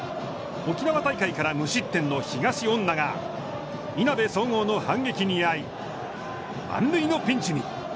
沖縄大会から無失点の東恩納がいなべ総合の反撃にあい満塁のピンチに。